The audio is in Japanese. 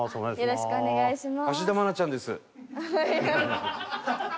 よろしくお願いします。